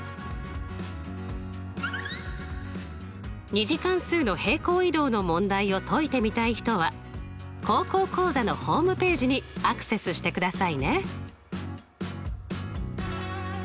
２次関数の平行移動の問題を解いてみたい人は「高校講座」のホームページにアクセスしてくださいね。